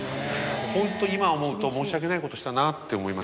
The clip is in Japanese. ホント今思うと申し訳ないことしたなって思います。